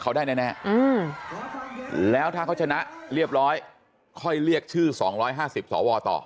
ของฝั่งนั้นเนี่ยเขาได้แน่แล้วถ้าเขาชนะเรียบร้อยค่อยเรียกชื่อ๒๕๐สวต่อ